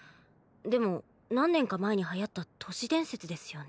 でも何年か前に流行った都市伝説ですよね。